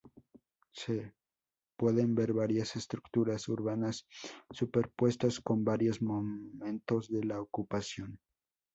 C.. Se pueden ver varias estructuras urbanas superpuestas, con varios momentos de la ocupación.